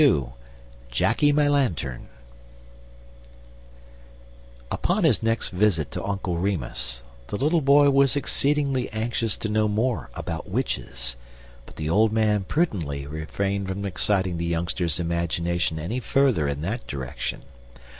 XXXII. "JACKY MY LANTERN" *1 UPON his next visit to Uncle Remus, the little boy was exceedingly anxious to know more about witches, but the old man prudently refrained from exciting the youngster's imagination any further in that direction.